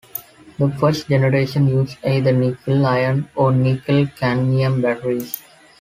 The first generation used either nickel-iron or nickel-cadmium batteries.